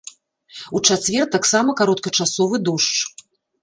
У чацвер таксама кароткачасовы дождж.